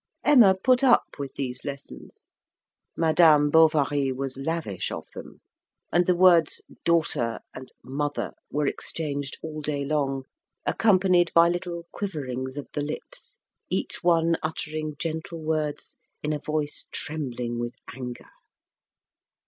Emma put up with these lessons. Madame Bovary was lavish of them; and the words "daughter" and "mother" were exchanged all day long, accompanied by little quiverings of the lips, each one uttering gentle words in a voice trembling with anger.